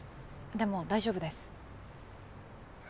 でも大丈夫です。